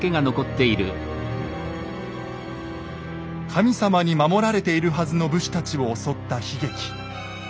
神様に守られているはずの武士たちを襲った悲劇。